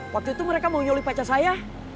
waktu itu mereka mau nyolih pacar saya